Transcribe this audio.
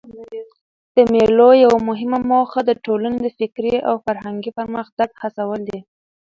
د مېلو یوه مهمه موخه د ټولني د فکري او فرهنګي پرمختګ هڅول دي.